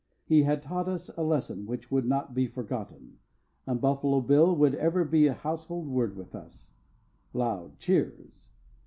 He had taught us a lesson which would not be forgotten, and Buffalo Bill would ever be a household word with us. (Loud cheers.)